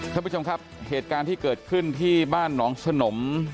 ท่านผู้ชมครับเหตุการณ์ที่เกิดขึ้นที่บ้านหนองสนม